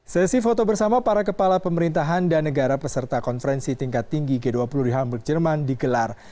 sesi foto bersama para kepala pemerintahan dan negara peserta konferensi tingkat tinggi g dua puluh di hamburg jerman digelar